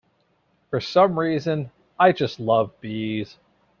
For some reason I just love bees.